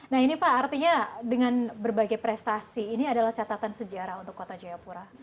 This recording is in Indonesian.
nah ini pak artinya dengan berbagai prestasi ini adalah catatan sejarah untuk kota jayapura